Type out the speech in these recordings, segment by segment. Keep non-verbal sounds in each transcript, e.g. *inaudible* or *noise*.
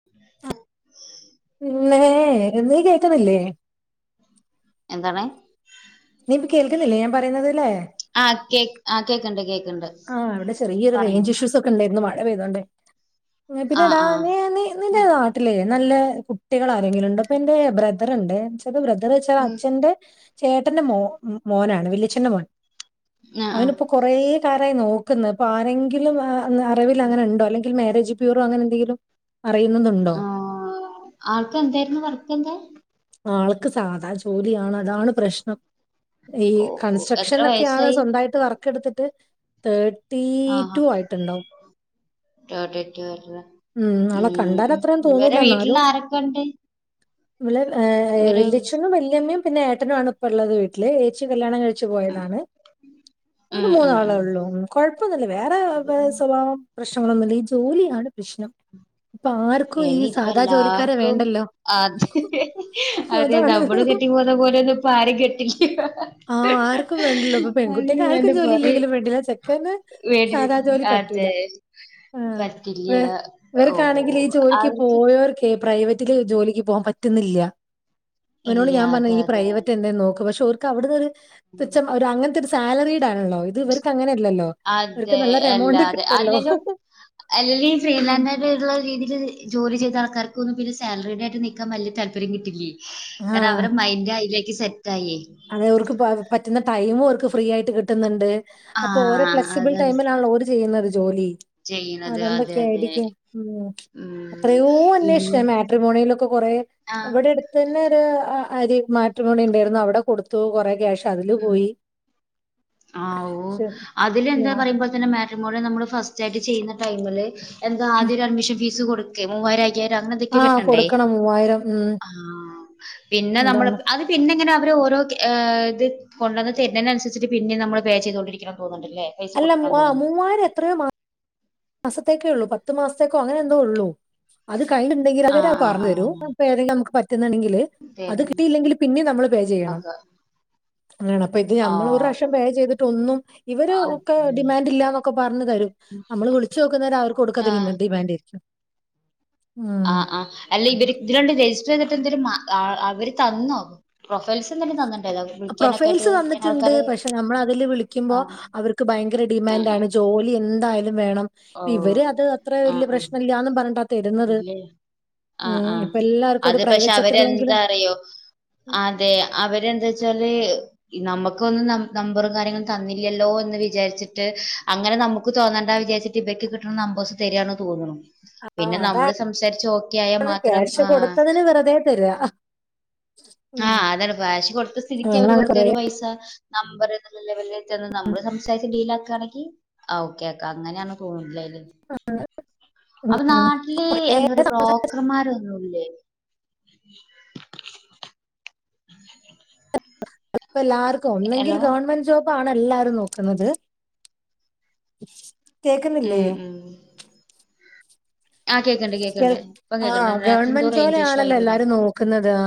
*inaudible* പിന്നേ നീ കേക്ന്നില്ലേ എന്താണ് നീ കേൾക്കുന്നില്ലേ ഞാൻ പറയുന്നത് ലേ ആ കേക്ക് ആ കേൾക്കണ്ട് കേക്ക ആഹ് ഇവിടെ ചെറിയ ഒരു റേഞ്ച് ഇഷ്യൂസ് ഒക്കെ ഉണ്ടായിരുന്നു മഴ പെയ്തോണ്ടെ. *unintelligible* ആ ആ ഉം ട്ടിലെ നല്ല കുട്ടികള് ആരെങ്കിലും ഉണ്ടൊ ഇപ്പൻ്റെ ബ്രദറ്ണ്ടെ ച്ച് ബ്രദർ വെച്ചാൽ ഉം അച്ഛന്റെ ചേട്ടന്റെ മോ മോനാണ് വല്ല്യച്ഛന്റെ മോൻ. ആ ആ അവനിപ്പോ കൊറേ ക്കാരായി നോക്കുന്ന് അപ്പോ ആരെങ്കിലും അറിവിൽ അങ്ങനെണ്ടോ? അല്ലെങ്കിൽ മാരേജ് പ്യൂറോ അങ്ങനെ എന്തെങ്കിലും. അറിയുന്നത് ഉണ്ടൊ? ആ ആൾക്ക് എന്തായിരുന്നു വർക്ക് എന്താ ആൾക്ക് സാധാ ജോലിയാണ് അതാണ് പ്രശ്നം. ഈ ഓ ഓ കൺസ്ട്രക്ഷൻ എത്ര ഒക്കെയാണ് വയസ്സായി സ്വന്തവായിട്ട് വർക്ക് എടുത്തിട്ട് തേ ട്ടി ആഹാ ടു ആയിട്ടുണ്ടാവും. ഉം. *unintelligible* ആളെ കണ്ടാൽ ഉം അത്രയും ഇവരെ തോന്നൂല. വീട്ടില് ആരൊക്കെ ഉണ്ട്? ഇവലെ ഏഹ് ഇവര് വല്ലിച്ചനും വല്യമ്മയും പിന്നെ ഏട്ടനുവാണ് ഇപ്പള്ളത് വീട്ടില് ഏച്ചി കല്യാണം കഴിച്ചു ഉം പോയതാണ്. ഓരു ഉം ഉം മൂന്നാളെ ഉം ഒ ള്ളു കൊഴപ്പൊന്നുല്ല വേറെ സ്വഭാവം പ്രശ്നങ്ങളൊന്നും ഇല്ല ഈ ജോലിയാണ് പ്രശ്നം. ഇപ്പൊ *unintelligible* ആർക്കും ഈ ഇനി ഇപ്പ സാധാ ജോലിക്കാരെ എല്ലാർക്കും വേണ്ടല്ലോ. അത് അതെ അതാണ്. നമ്മള് കെട്ടിയ പോ പോലെ ഒന്നും ഇപ്പ ആരും കെട്ടില്ല. ആഹ് ആർക്കും വേണ്ടല്ലോ ഇപ്പൊ അങ്ങനെ പെൺകുട്ടിക്ക് ആർക്കും വേണ്ട ജോലി പറയും ഇല്ലെങ്കിലും വേണ്ടില്ല ചെക്കനന് സാധാ ജോലി പറ്റൂല. ആഹ് വെ പറ്റില്ല്യ ഇവർക്കാണെങ്കിൽ ഈ ഓവാ ജോലിക്ക് പോയോര്ക്കെ പ്രൈവറ്റില് ജോലിക്ക് പോകാൻ പറ്റുന്നില്ല്യ. ഇവനോട് ഇല്ല ഞാൻ പറഞ് അതെ ഈ പ്രൈവറ്റ് എന്തേം നോക്ക് പക്ഷെ ഓർക്ക് അവിടന്ന് ഒരു തുച്ഛം ഒരു അങ്ങൻത്തൊരു സാലറീടാണല്ലോ ഇത് ഇവർക്ക് അങ്ങനെ ഇല്ലല്ലോ. അതെ അല്ലാതെ അല്ലേലും അല്ലി *unintelligible* ട്ള്ള രീതിൽ ജോലി ചെയ്ത ആൾക്കാർക്കൊന്നും പിന്നെ സാലറിടെ ആട്ട് നിക്കാ വലിയ താല്പര്യം കിട്ടില്ലേ. കാരണം ആഹ് അവരെ മൈൻഡ് അയിലേക്ക് സെറ്റ ആയേ അതെ ഓർക്ക് പാ പറ്റുന്ന ടൈമു ഓര്ക്ക് ഫ്രീ ആയിട്ട് കിട്ടുന്നുണ്ട്. ആ അപ്പൊ ഓരോ ഫ്ലെക്സിബിൾ അതാണ് ടൈമിലാണ് ഓര് ചെയ്യുന്നത് ജോലി. ചെയ്യണത് അതെ അതൊണ്ടൊക്കെ അതെ ആയിരിക്കും. ഉം ഉം അത്രയോ അന്വേഷിച്ചു ഞാ ഇന്റെ മാട്രിമോണിയിലൊക്കെ കൊറേ ആ ഇവടെട് തന്നെ ഒരു അരി മാട്രിമോണി ഉണ്ടായിരുന്നു അവിടെ കൊടുത്തു കുറേ ക്യാഷ് അതില് ആഹ് പോയി ആവോ പക്ഷെ അതില് എന്താ ഞാൻ പറയുമ്പ പിന്നെ മാട്രിമോളി നമ്മള് ഫസ്റ്റ് ആയിട്ട് ചെയ്യുന്ന ടൈമില് എന്താ ആദ്യ ഒരു അഡ്മിഷൻ ഫീസ് കൊടുക്കേ മൂവായിര കേര അങ്ങനെന്തെക്കോ ആ കെട്ടണ്ടേയ്. കൊടുക്കണം മൂവായിരം ഉം ആഹ് പിന്നെ എന്താണ് നമ്മൾക്ക് അത് പിന്നെങ്ങനെ അവര് ഓരോ ഏഹ് ത് കൊണ്ടന്ന് തര്നേനസരിചിട്ട് പിന്നിം നമ്മള് പേയ് ചെയ്തോണ്ടിരിക്കണം തോന്ന്ണ്ട്ല്ലേ അല്ല മു ആഹ് മൂവായിരം എത്രയോ മാ മാസത്തേക്കേ ഉള്ളൂ പത്ത് മാസത്തേക്കോ അങ്ങനെ എന്തോ ഉള്ളു. അത് കഴിഞ്ഞുണ്ടെങ്കിൽ അവര് ആഹ് ആഹ് പറഞ്ഞു തരും ആഹ് *unintelligible* *unintelligible* നമുക്ക് പറ്റുന്നുണ്ടെങ്കിൽ അത് തരും കിട്ടിയില്ലെങ്കിൽ പിന്നെ നമ്മള് പേയ് ചെയ്യണം. ഒക്കെ അങ്ങനാണ് അപ്പൊ ഇത് ഞമ്മള് ഒരു ആവോ റാശ്യം പേയ് ചെയ്തിട്ട് ഒന്നും ഇവര് ഒക്കെ അതന്നെ ഡിമാൻഡ് ഇല്ലാന്നൊക്കെ പറഞ്ഞു തരും. നമ്മള് വിൾ ച്ചോക്കുന്നവരെ അവർക്ക് കൊടുക്കാത്ത ആഹ് *unintelligible* ഉം ആഹ് ആഹ് അല്ല ഇവര് ഇതിലാണ്ട് രജിസ്റ്ററെയ്തിട്ട് എന്തര് മാ ആഹ് അവര് തന്നോ? പ്രൊഫൈൽസ് എന്തെങ്കിലും തന്നിട്ടുണ്ടായിരുന്നോ വിളിക്കാനൊക്കെ ആയിട്ട് പ്രൊഫൈൽസ് തന്നിട്ടിണ്ട് ആൾക്കാരെ പക്ഷെ നമ്മളതില് വിളിക്കുമ്പോ ആഹ് അവർ ക്ക് ഭയങ്കര ഉം ഡിമാൻഡ് ഉം ആണ് ജോലി എന്തായാലും വേണം. ഇപ്പ ഓഹ് ഇവര് അത് അത്ര ആഹ് വല്യയ ആഹ് പ്രശ്നല്ലാന്നും പർഞ്ഞിട്ടാ തരുന്നത്. ഇല്ലേ ആഹ് ഉം ആഹ് ഇപ്പൊ എല്ലാവർക്കും ഒരു അത് പക്ഷെ പ്രൈവറ്റ് സെക്ടറിലെങ്കിലും അവരെന്താ അറിയോ അതെ അവരെന്താച്ചാല് ഇ നമുക്കൊന്നും നം നമ്പറും കാര്യങ്ങളും തന്നില്ലല്ലോ എന്ന് വിചാരിച്ചിട്ട് അങ്ങനെ നമുക്ക് തോന്നണ്ട വിചാരിച് തിബയ്ക്ക് കിട്ടണ നമ്പസ് തെരിയാണോ തോന്നുണു. ആഹ് പിന്നെ നമ്മള് അതാണ് സംസാരിച്ച് ഓക്കെ ആയാ മാത്രം. ക്യാഷ് ആഹ് കൊടുത്തതിന് വെറുതെ തരികാ ആഹ് അതാണ് ബാശി കൊടുത്ത സ്ഥിതിക്ക് അവര് ഞങ്ങളങ്ങനെ വെറുതെ കൊറേ ഒരു പൈസ നമ്പർ ല്ല ലെവലെ ചെന്ന് നമ്മള് സംസാരിച്ച് ഡീല ആക്കുകയാണെങ്കിൽ ആ ഓക്കെ ഓക്കെ അങ്ങനെയാണ് കൂടുതല് ഉം അപ്പൊ നാട്ടില് കൊറേ എന്താ പറയാ ബ്രോക്കർമാരൊന്നുല്ലേ? ഉ അപ്പ എല്ലാർക്കും ഒന്നെങ്കിൽ ഗവൺമെന്റ് ജോബ് ആണ് എല്ലാരും നോക്കുന്നത് ഉം കേക്കുന്നില്ലേ? ഉം ആ കേക്കണ്ട് കേൾ കേക്കണ്ട് ഇപ്പൊ കേക്കണ്ട് ആഹ് നേരത്തെ എന്തോ ഗവൺമെന്റ് റേഞ്ച് ഇഷ്യൂ ആയി ജോലിയാണല്ലോ തോന്നുന്നു എല്ലാരും നോക് ക്കുന്നത് ആ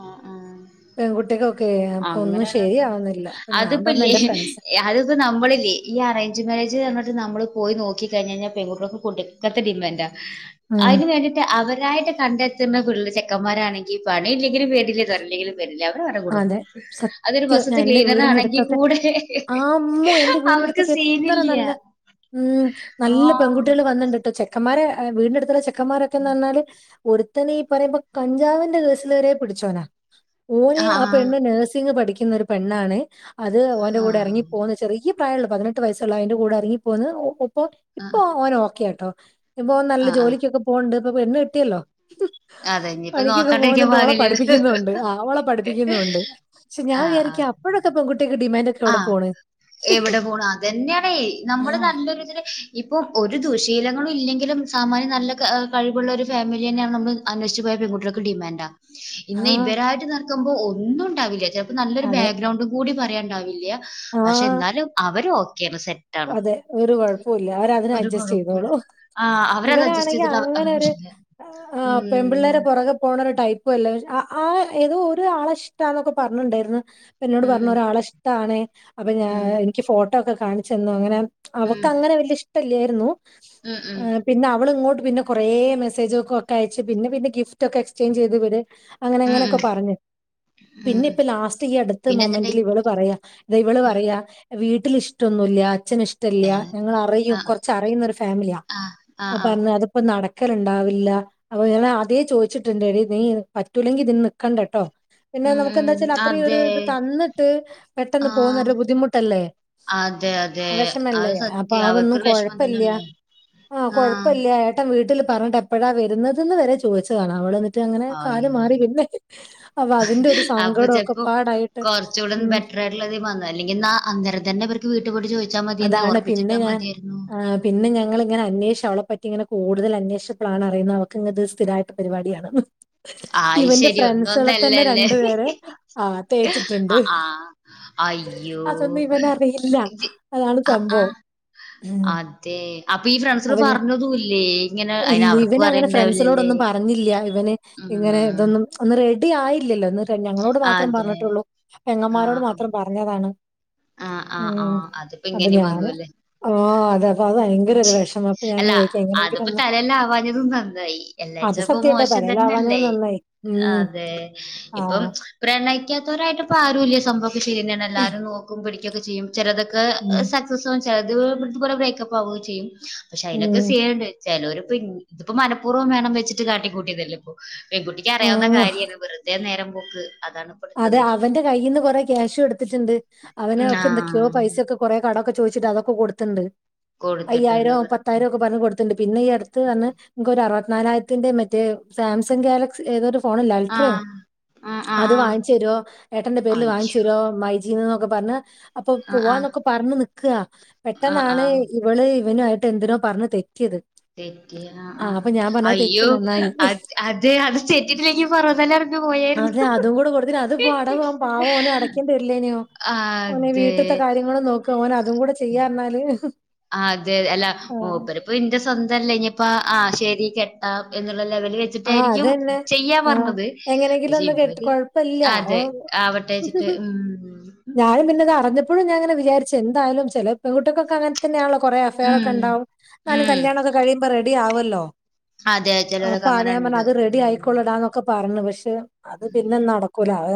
ആഹ് ആഹ് പെൺകുട്ടിക്ക് ഓക്കെ അപ്പൊ ഒന്നും അങ്ങനെയാണ് ശരിയാവുന്നില്ല അപ്പൊ ഞാൻ പറഞ്ഞ് എന്റെ ഫ്രണ്ട്സ് അത് നമ്മളില്ലേ ഈ അറേഞ്ച് മാര്യേജ് പറഞ്ഞിട്ട് നമ്മൾ പോയി നോക്കി കഴിഞ്ഞഴിഞ്ഞാ പെൺകുട്ടൾക്ക് കൊണ്ട് ങ്ങനത്തെ ഡിമാൻഡാ ഉം അതിന് വേണ്ടിയിട്ട് അവരായിട്ട് കണ്ടെത്തുന്ന പിള്ളെ ചെക്കന്മാരാണെങ്കിൽ പണി ഇല്ലെങ്കിലും വേണ്ടില്ല തല്ലെലും വല്യാവര് വരെ കൊടക്കും അതെ. അതൊരു സത്യം. ഞാൻ ബശത്ത് എന്റെ ക്ലീനർ വീടിന്റെ ആണെങ്കിൽ അടുത്തൊക്കെ കൂടെ ആ! അമ്മോ! അവർക്ക് സീനില്ല്യാ ഉം നല്ല പെൺകുട്ടികൾ വന്നിട്ടുണ്ട്ട്ടോ ചെക്കന്മാരെ വീടിൻ്റെ അടുത്തുള്ള ചെക്കന്മാരൊക്കെന്ന് വന്നാല് ഒരുത്തനെ ഈ പറയുമ്പോ കഞ്ചാവിന്റെ കേസിൽവരെ പിടിച്ചോനാ ഓന ആഹ് നഴ്സിങ്ങ് പഠിക്കുന്നൊരു പെണ്ണാണെ അത് ഓൻ്റെ കൂടെ ഇറങ്ങി ആഹ് പോകുന്ന ചെറിയ പ്രായുള്ളൂ പതിനെട്ട് വയസ്സുള്ള അതിന്റെ കൂടെ ഇറങ്ങിപ്പോന്ന് ഇപ്പൊ ഇപ്പോ ആഹ് ഓനെ ഓക്കെയാ കേട്ടോ ഇപ്പോ ഓൻ നല്ല ആഹ് ആഹ് ജോലിക്കൊക്കെ പോണ്ട് ഇപ്പൊ പെണ്ണ് കിട്ടിയല്ലോ അതെ ഇനിയിപ്പ പണിക്കൊക്കെ നോക്കാണ്ടിരിക്കാൻ പോകുന്നുണ്ട് ഓളെ പാകില്ലല്ലോ പഠിപ്പിക്കുന്നുണ്ട് ആ ഓളെ പഠിപ്പിക് ക്കുണ്ട് ക്ഷേ ഞാൻ വിചാരിക്കാം അപ്പോഴൊക്കെ പെൺ കുട്ടിക്ക് ഡിമാൻഡ് ഒക്കെ എവിടെ അഹ് പോണ് എവിടെ പോണു അതന്ന്യാണെ ആ നമ്മുടെ നല്ലൊര്തിന് ഇപ്പോം ഒരു ദുശീലങ്ങളില്ലെങ്കിലും സാമാന്യം നല്ല ക കഴിവുള്ളൊരുഫാമില്യെന്നാണ് നമുക്ക് അന്യേഷിച്ച് പോയ പെൺകുട്ട്യാൾക്ക് ഡിമാന്റാ ആ ഇന്ന് ഇവരായിട്ട് നിക്കുമ്പോ ഒന്നുണ്ടാവില്ല ചെലപ്പോ നല്ലൊരു അതെ ബാക്ക്ഗ്രൗണ്ടും കൂടി പറയാൻണ്ടാവില്ല ല്ല്യാ ആ പക്ഷെ ന്നാലും അവരോക്കെയാണ് സെറ്റാ അതെ ഒരു കുഴപ്പൂല്ല അവരതിന് അഡ്ജസ്റ്റ് കുഴപ്പൂല്ല ചെയ്തോളു ആഹ് അവരത് അഡ്ജസ്റ്റ് ഇവനാണെങ്കെ ചെയ്തിട്ട് അവ അവർക്ക് അങ്ങനൊരു പ്രശ്നല്ല ആഹ് ഉം പെമ്പിള്ളേരെ പൊറകെ പോണൊരു ടൈപ പ്പു അല്ല ആ ഏതോ ഒരുആളെ ഇഷ്ടാന്നൊക്കെ പറഞ്ഞ്ണ്ടാർന്ന് അപ്പന്നോട് ഉം ഉം പറഞ്ഞ് ഒരാളെഷ്ട ടാണേ അപ്പ ഞാ ഉം എനിക്ക് ഫോട്ടോക്കെ കാണിച്ചന്നു അങ്ങനെ അവക്ക് ഉം അങ്ങനെവല്ല്യഇഷ്ടല്ലേർന്നു. ഉം ഉം ആഹ് പിന്നെ അവള് ഇങ്ങോട്ട് പിന്നെ കൊറേ മെസ്സേജൊക്കൊക്കയച്ച് പിന്നെ പിന്നെ ഗിഫ്റ്റൊക്കെ എക്സ്ചേഞ്ച് ചെയ്ത് ഇവര് ഉം അങ്ങനെങ്ങനൊക്കെ ഉം പറഞ്ഞു ഉം ഉം പിന്നെപ്പലാസ്റ്റ് ഈ അടുത്ത പിന്നെ എന്തുണ്ട് മൊമെന്റില് ഏ അവള് പറയാ ദെവള് പറയാ വീട്ടിലിഷ്ടൊന്നുല്ല അച്ഛന് ഇഷ് ഷ്ട്ടല്ലാ ഞങ്ങളറിയും ആ കൊറച്ചറിയുന്നൊരു ഫാമിലിയാ ആ ആ ആ അപ്പഞ്ഞ അത് അപ്പനടക്കല്ണ്ടാവില്ല അപ്പൊ ഞാങ്ങളാദ്യെ ചോയ്ച്ചിട്ട്ണ്ട് എടി നീ പറ്റൂലങ്കി ഇതിന് നിക്കണ്ടാട്ടോ പിന്നെ ഉം നമുക്ക് എന്താ ഉം വെച്ചാല് അത്രയും അതെ ഒരിത് തന്നിട്ട് പെട്ടെന്ന് ആ പോവ് ന്നൊരുബുദ്ധിമുട്ടല്ലേ അതെ യത് വെഷമല്ലേ അപ്പതൊന്നും കൊഴപ്പല്ല്യാ തന്നെല്ലേ ആഹ് കൊഴപ്പല്ല്യാ ഏട്ട ഏട്ടൻ വീട്ടില് പറഞ്ഞിട്ട് എപ്പളാ വരുന്നത് ന്ന് വരെ ചോദിച്ചതണാവള് റ്റങ്ങനെ അയ്യോ കാല്മാറി പിന്നെ അപ്പൊ അതിന്റൊരു അപ്പൊ സങ്കടം ഒക്കെപാടായിട്ട് ഉം അല്ലെങ്കി ബന്നാ അല്ലെങ്കി ന്നാ അന്നരം തന്നെ വർക്ക് വീട്ട്പോയിട്ട് ചോദിച്ച മതിയെന്നേ അതാണ് പിന്നെ ഒറപ്പിചിട്ടാ ഞാൻ മതിയായിരുന്നു ആഹ് പിന്നെ ഞങ്ങളിങ്ങനെ അന്വേഷിച്ചവളെ പറ്റി ഇങ്ങനെ കൂട്തലന്വേഷിച്ചപ്പളാണറിയിന്നെ അവക്കിങ്ങനെ സ്ഥിരായിട്ട്ള്ള പരിപാടിയാണെന്ന് ആയി ഇവന്റെ ശരി ഒന്നും ഫ്രണ്ട്സുകളെതന്നെ ഒന്നല്ലല്ലേ രണ്ടുപേരെ ആ തേച്ച്ട്ട്ണ്ട് ആ ആ അയ്യോ ഇല്ല ഇജ്ജ്- അതാണ് സംഭവം ഉം റ്റെ അപ്പ ഈ അപ്പൊ ഫ്രണ്ട്സാള്പറഞ്ഞതൂല്ലേ ഇങ്ങനെ അയ്നവർക്കും അറിയിണ്ടാവില്ലലെ പറഞ്ഞില്ല്യാ ഇവന് ഇങ്ങനെതൊന്നും അന്ന് റെഡി ആയില്ലല്ലോ തെ ഞങ്ങളോട് മാത്രം അതെ. പറഞ്ഞിട്ടൊള്ളൂ. പെങ്ങമ്മാരോട് ആഹ് ആഹ്. മാത്രം പറഞ്ഞതാണ്. ആഹ് ആഹ് ഉം ആഹ്. അതിപ്പോ അപ്പ ഇങ്ങനിം ഞാന് വന്നൂല്ലേ. ആഹ് അതെ അപ്പവ് വയങ്കെരൊരു വെഷമം അല്ല അത്പ്പ തലേന്നാവാഞ്ഞതും നന്നായി. അത് എല്ലാച്ചപ്പൊ സത്യാട്ടോ മോശം തലയിലാവാഞ്ഞത് തന്നെയല്ലേ നന്നായി. ഉം. അതെ ഇപ്പം ആഹ്. പ്രണയിക്കാതോരായിട്ടാരൂല്ല്യ സംഭവൊക്കെശെര്യന്നേണ്. എല്ലാരും നോക്കും പിടിക്ക്യാെക്കെ ചെയ്യും. ചെലതൊക്കെ ഉം. സക്സസാവും ചെലത് ഇത്പോലെ ബ്രേക്കപ്പാവും ചെയ്യും. പക്ഷെ ഉം. അയ്നൊക്കെ *unintelligible* ചെലോര്പ്പൊ ഇത് ഇപ്പൊ മനപ്പൂർവം വേണം വെച്ച്ട്ട് കാട്ടിക്കൂട്ടിയതല്ലേപ്പൊ പെൺകുട്ടിക്കറിയാവുന്ന ആഹ്. കാര്യാ വെറുതെ നേരം പോക്ക് അതാണ്. അതെ എടുത്തത് അവന്റെകയ്യിന്ന് കൊറേ ക്യാഷ് കൊട്ത്തിട്ട്ണ്ട്. ആ അവനവൊക്കെ എന്തെക്ക്യാെ പൈസൊക്കെ കൊറേ കടൊക്കെ ചോയ്ച്ചിട്ട് അതൊക്കെ കൊടുത്ത്ണ്ട് കൊടുത്തിട്ടുണ്ട് അയ്യായിരം വെറുതെ പത്തായിരൊക്കെ പറഞ് കൊട്ത്ത് ത്ത്ണ്ട് പിന്നെഈ അടുത്ത് പറഞ്. ഇൻക്കൊരു അറുപത്തിനാലായിരത്തിന്റെ മറ്റേ സാംസംഗ് ഗാലക്സി ഏതോരു ഫോണില്ല ആ അൾട്രേയാ ആ ആ അത് ആ വാ ചേരോ ഏട്ടന്റെ പേര്ല് അയ്യോ വാങ്ങിചെരോ. മൈജീന്നൊക്കെ പറഞ് അപ്പൊ ആ ആ പോവാന്നൊക്കെ പറഞ് നിക്കാ ആ പെട്ടെന്നാണ് ആ ഇവള് ഇവ ന്വായിട്ട് എന്തിനോ പറഞ് തെറ്റിയത്. തെറ്റി ആഹ് ആ അഹ്. അപ്പൊ ഞാൻ പറഞ്ഞത് തെറ്റി അയ്യോ നന്നായി അത് അതേ അത് തെറ്റിട്ടില്ലെങ്കി പറഞതെല്ല അതെ അതും കൂടെ കൊടുത്തിട്ട്. അത്പ്പോ അടവാ പാവോന് അടക്കേണ്ടി വര്ല്ലേന്യാെ ഓന് അതെ വീട്ട്ത്തെ കാര്യങ്ങളും നോക്കാ. ഓന് അതും കൂടെ ചെയ്യാറ്ന്നാല് അഹ് അതെ അല്ലാ മൂപ്പര് പ്പ ഇന്റെ സ്വന്തല്ലേന്യെപ്പാ ആഹ് ശെരി കെട്ടാം എന്ന്ള്ള ലെവല് വെച്ചിട്ട ആ ച്ചിട്ടായിരിക്കും അതന്നെ ആ ചെയ്യാപറഞ്ഞത്. എങ്ങനെങ്കിലും പക്ഷെ ഒന്ന് കെട്ടി ഇവര് കുഴപ്പമില്ല ഓ വെച്ചിട്ട് ഉം ഞാനും പിന്നെതറിഞ്ഞപ്പ് എപ്പളും ഞാ അങ്ങെനെ വിചാരിച്ചും എന്ത് ആയാലും ചെല പെൺകുട്ട്യേക്കൊക്കെ അങ്ങൻ തന്നെയാണല്ലോ. കൊറേ അഫെയർ ഉം ഒക്കെഇണ്ടാവും നാല് ഉം കല്യാണം ഒക്കെ കഴിയുമ്പോ റെഡി ആവൊല്ലോ. അതെ ചേലോ ലൊക് അപ്പ ആതേ പറഞ്ഞ് അത് റെഡി ആയിക്കൊള്ളടാന്നൊക്കെ പറഞ്ഞു. പക്ഷെ അത് ഉം. പിന്നെ നടക്കൂല അ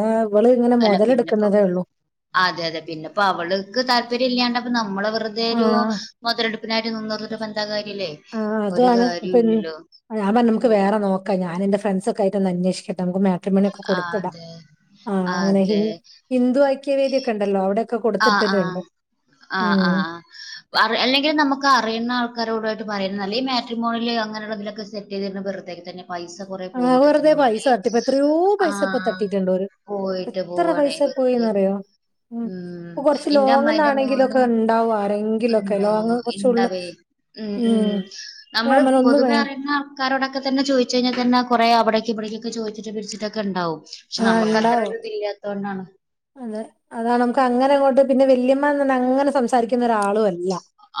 അല്ല പിന്നെപ്പം. അതെ അതെ പിന്നെപ്പോ അവള്ക്ക് താല്പര്യം ഇല്ലാണ്ട്പ്പ നമ്മള് വെ വെറുതെ ആ ഒരു മൊതലെടുപ്പിനായിട്ട് നിന്നൊരു ബന്ധാ കാര്യല്ലേ. ആഹ്. ഒരു അതാണ് കാര്യവും ഇപ്പന്ന് ഇല്ലല്ലോ ഞാപറ് ഞ്ഞ് നമുക്ക് ഉം വേറെ ന്നോ ക്ക ഞാൻഎന്റെ ഫ്രാൻസ് ഒക്കായിട്ട് ഒന്നാഅന്വേഷിക്കട്ടെ നമുക്കു മേം ക്രിമണ്യെക്കെ കൊടുത്തിടാം. അതെ ആഹ് അങ്ങനെ ഹി അതെ ഹിന്ദു ഐക്യവേദിയൊക്കെ ഇണ്ടല്ലോ അവടെ ഒക്കെ കൊടുത്തിട്ട് ട്ട്ണ്ട്. ഉം. പറഅല്ലെങ്കിലും നമ്മക്ക് അറിയുന്ന ആൾക്കാരോടു ആയിട്ട് പറയുന്നല്ലത് ഈ മാറ്റ്രിമോണില് അങ്ങനെ ഇള്ളതിലൊക്കെ ചെന്ന *unintelligible* ബെര്തെ തന്നെ പൈസ കുറെ ആഹ് പോവൊക്കെ വെറുതെ തന്നെ പൈസ ഉള്ളേ തട്ടിപ്പ് എത്രയോ പൈസ ഇപ്പൊ ആഹ് തട്ടീട്ടുണ്ടോര്. പോയിട്ട് എത്ര പോവാണേ പൈസ വെറുതെ പോയിന്നറിയോ? ഉം ഇപ്പൊ കൊറ്ച്ച് എന്റെ അമ്മായിന്റെ ലോങ്ങ്ന്നാണെങ്കിലൊക്കെ മോനും ഇണ്ടാവും ആരെങ്കിലൊക്കെ ഇണ്ടോ ലോങ് കൊറ്ച്ച് ഉള് ഇണ്ടവേ ഉം ഉം നമ്മള് വേ പൊതുവേ അറിയുന്ന ആക്കാരോടൊക്കെതെന്നെ ചോയ്ച്ച്കഴിഞ്ഞാൽ തന്നെ കൊറെ അവിടേക്ക് ഇവിടേക്കൊകേചോയ്ച്ചിട്ട് പിടിച്ചിട്ടൊക്കെ ഇണ്ടാവും. പക്ഷെ ആഹ് നമ്മക്ക് അത്ര ഇണ്ടാവും ഒരു ഇതി ല്ലാത്തോണ്ടാണ്. അതെ. അതാണ് നമുക്ക് അങ്ങനെഇങ്ങോട്ട് പിന്നെ വല്യമ്മന്ന്ന്നെ അങ്ങനെ സംസാരിക്ക ക്ക്ന്നൊരാളു അല്ല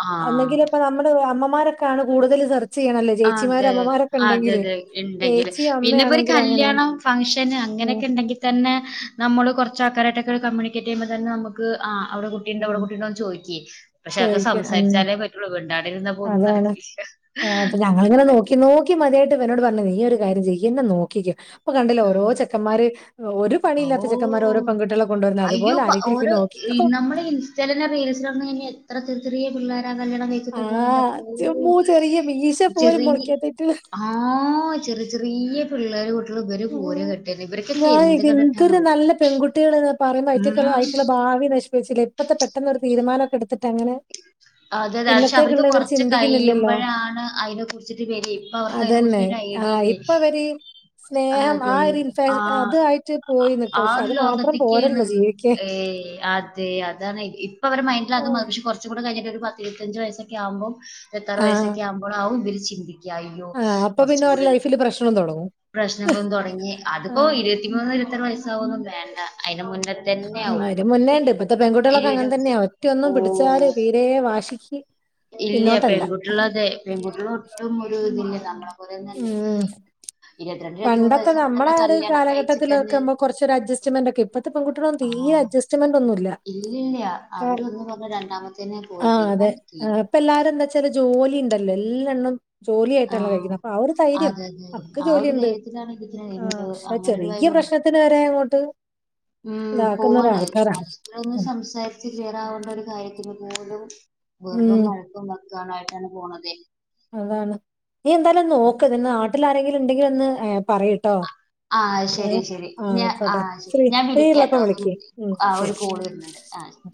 ആഹ് അല്ലെങ്കിലു ഇപ്പ നമ്മള് അമ്മമ്മാരൊക്കാണ് കൂട്തല് ചെയ്യണല്ലോ അതെ ചേച്ചിമാരും അമ്മമാരൊക്കെ അതെ ഇണ്ടെങ്കില് അതെ ഇണ്ടെങ്കില് ചേച്ചിയും, പിന്നെ ഇപ്പൊ ഒരു അമ്മയാണെങ്കിലും അങ്ങനേണ്. കല്യാണം ഫംഗ്ഷന് അങ്ങനൊക്കെ ഇണ്ടെങ്കി തന്നെ നമ്മ ള്കൊറ്ച് ആക്കാരായിട്ടൊക്കെ *unintelligible* കമ്മൂണിക്കേറ്റ് ചെയ്യുമ്പോതന്നെ നമ്മ ക്ക് ആ അവടെ കുട്ടിണ്ടൊ ഇവടെ ഉം കുട്ടിണ്ടോ ചോയ്ക്കേ? പക്ഷെ അക്കെ ചോദിക്ക ഉം സംസാരിച്ചാലേ പറ്റൊള്ളൂ. വിണ്ടാടി ഇരിന്നാ ഇപ്പൊന്നും നടക്കില്ല. അങ്ങനെ നോക്കി നോക്കി മതിയായ്ട്ട് ഇവനൊട്പറഞ്ഞത് നീ ഒരു കാര്യം ചെയ്യ്എന്നെ നോക്കിക്കോ. ഇപ്പൊ കണ്ടല്ലോ ഓരോ ഉം ചെക്കന്മാര് ഒരു പണില്ലാത്ത ചെക്കന്മാര് ഓ ഓരോ പെങ്കുട്ട്യെളെ കൊണ്ടുവരുന്ന അതുപലെആരെങ്കിലും ഇയ്യ്നോക്കിക്കോ. നമ്മടെ ഇൻ ചെല റീൽസ്ലൊന്നും ഇനി എത്ര ചെറ് ചെറ്യേ പിള്ളോര കല്യാണം കഴി ട്ട ആഹ് പോയിന്റെപ്പോ. ചുമ്മാ ചെറിയ മീശ പോലും ചെറിയ്യ് മുളയ്ക്കാത്തതായിട്ടുള്ള ആഹാ ചെറ് ചെറിയ പിള്ളേർ കൂട്ട്യ ൾ ഇവര് പൂരം കെട്ട്ന്നെ ഇവർക്കൊക്കെ എന്ത് കണ്ട്ട്ടാ ന്തെര് നല്ല പെൺകുട്ടികള് പറയുമ്പോ അയിറ്റക്ക് ഉം അയിറ്റള്ള ഭാവി നഷ് പേച്ചില് ഇപ്പത്തെ പെട്ടൊന്നെരു തീരുമാനൊക്കെ എടുത്തിട്ട്ങ്ങനെ. *unintelligible* അതെ അത പക്ഷെ അവർക്ക് കുറച്ച് ചിന്തിക്കുന്നില്ലല്ലോ കഴിയുമ്പഴാണ് അയിനെ കുറിച്ചിട്ട് വരി ഇപ്പൊ അവർക്ക് അതിനെ കുറിച്ചിട്ട് ഒരയ് ആഹ ഇപ്പവര് സ്നേഹം ആ അതെ. ഒരിത ഇൻഫാ ആ അതായിട്ട് പോയി നിൽക്ക പക്ഷെ അത് മാത്രം പോരല്ല ജീവി ഏയ് അ തെ അതാണ് ഇപ്പൊ അവര് മൈൻഡില് അത്ും മതി പക്ഷെ കുറച്ച് കൂടെ കഴിഞ്ഞട്ട് ഒരു പത്തിരുവതഞ്ച് വയസ്സക്കെ ആകുമ്പോം ആഹ് ഇരുവത്താർവയസെക്കെ ആവുമ്പ ളാവും ഇവര് ചിന്തിക്ക യായ്യോ ആഹ് അപ്പൊ പിന്നെ കുറച്ചും ഓരെ കൂടി ലൈഫില് പ്രശ്നം തൊടങ്ങും. പ്രശ്നങ്ങളും തുടങ്ങി അതിപ്പോ ആഹ് ഇരു ഇരുവത്തിമൂന്ന്, ഇരുപത്താർവയസാവന്നും വേണ്ട അയ്ന് മുന്ന അ അയിന് മുന്നേണ്ട് ഇപ്പഴത്തെ പെൺകുട്ടികളൊക്കെ അങ്ങനെ ഇരുവരും തന്നെയ ഒറ്റൊന്നും ഓഹ് പിടിച്ചാല് തീരെ വാശിക്ക് ഇല്ല പിന്നോട്ടല്ല പെൺകുട്ടികള അതെ പെൺകുട്ടികള ഒട്ടും ഒരു ഇതില്ല നമ്മളെ പോലന്നുല്ല ഉം പണ്ടത്തെ നമ്മളാര് കല്യാണം കാലഘട്ടത്തിക്കെ നമ്മെ കൊറ്ച്ച് അഡ്ജസ്റ്റമെന്റ് ഒക്കെ ഇപ്പ അം ഇല്ലല്ല ആഹ് അവര് ഒന്ന് പറഞ്ഞ് രണ്ടാമത്തന് പോയി. തീരുമാനി ഇ പ്പ എല്ലാരും എന്താ വെച്ചാല് ജോലി ഉണ്ടല്ലോ എല്ലാണ്ണം ജോലിയ ആയിട്ടാണ് ആഹ് കഴിക്കുന്നത് അപ്പൊ ആ ഒരു ധൈര്യം അതെ അതെ അവർക്ക് ആ ജോലി ഒരു ഉണ്ട് ധൈര്യത്തിലാണ് ഇരിക്കുന്നത് അ എന്ത് ക്ഷെ അങ്ങനെ ഒരു ചെറിയ വൈബാണ് പ്രശ്നത്തിന് വരെ ങ്ങോട്ട് ഉം. പോവാണഹ് *unintelligible* രുന്ന് സംസാരിച്ച് കെയറാവേണ്ട ഒരു കാര്യത്തി പോലും വെറും ഉം വഴക്കും വ ക്കാനായിട്ടാണ് പോണത്. അതാണ്. നീ ന്തായാലും നോക്ക് നി നാട്ടിൽ ആരെങ്കിലും ഉണ്ടെങ്കില് ഒന്ന് പറയ്ട്ടോ? ആഹ ശരി, ശരി ഞാ ആഹ് ശരി ഫ്രീ ഞാൻ ഫ്രീ വിളിക്ക ഉള്ളപ്പോ ട്ടോ. വിളിക്ക്. ഉം ആ ശരി. ഒരു കോള് വരുന്നുണ്ട്. *unintelligible*